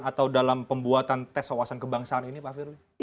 atau dalam pembuatan tes wawasan kebangsaan ini pak firly